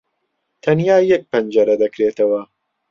تەنیا یەک پەنجەرە دەکرێتەوە.